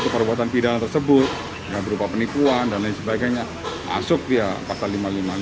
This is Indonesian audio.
perbuatan pidana tersebut berupa penipuan dan lain sebagainya masuk ya pasal lima ratus lima puluh enam